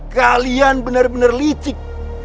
kalian benar benar licik